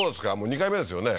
２回目ですよね？